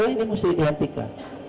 sebenarnya ini mesti dihentikan